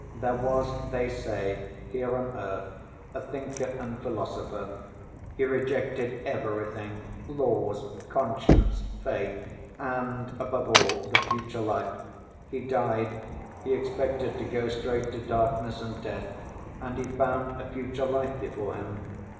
There was, they say, here on earth a thinker and philosopher. He rejected everything, 'laws, conscience, faith,' and, above all, the future life. He died; he expected to go straight to darkness and death and he found a future life before him.